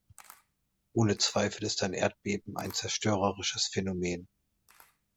Ohne Zweifel ist ein Erdbeben ein zerstörerisches Phänomen.